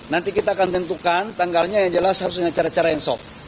nanti kita akan tentukan tanggalnya yang jelas harusnya cara cara yang sok